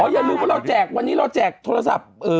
อย่าลืมว่าเราแจกวันนี้เราแจกโทรศัพท์